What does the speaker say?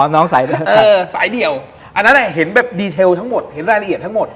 น้องสายเลยสายเดี่ยวอันนั้นเห็นแบบดีเทลทั้งหมดเห็นรายละเอียดทั้งหมด